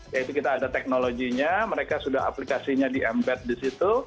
yaitu kita ada teknologinya mereka sudah aplikasinya di embed di situ